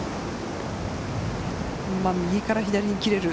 右から左に切れる。